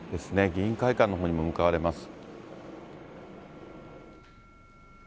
議員会館のほうにも向かわれます。